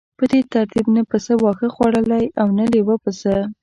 په دې ترتیب نه پسه واښه خوړلی او نه لیوه پسه.